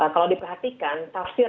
kalau diperhatikan tafsir